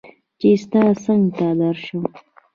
چې ستا څنګ ته درشم